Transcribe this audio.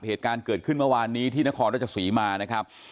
เหตุการณ์เกิดขึ้นเมื่อวานนี้ที่นครราชสีมานะครับ